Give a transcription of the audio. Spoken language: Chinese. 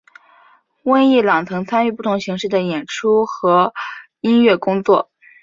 温逸朗曾参与不同形式的演出和音乐工作。